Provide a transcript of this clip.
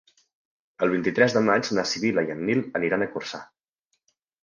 El vint-i-tres de maig na Sibil·la i en Nil aniran a Corçà.